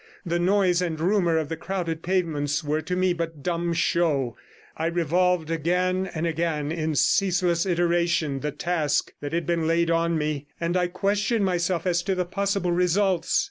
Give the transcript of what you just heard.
The noise and rumour of the crowded pavements were to me but dumb show; I revolved again and again in ceaseless iteration the task that had been laid on me, and I questioned myself as to the possible results.